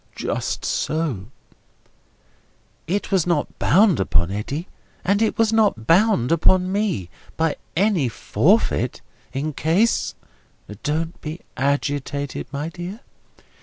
"Just so." "It was not bound upon Eddy, and it was not bound upon me, by any forfeit, in case—" "Don't be agitated, my dear.